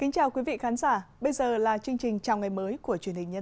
chào mừng quý vị đến với bộ phim hãy nhớ like share và đăng ký kênh của chúng mình nhé